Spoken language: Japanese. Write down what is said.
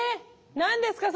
何ですか？